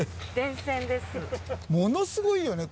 ものすごいよね。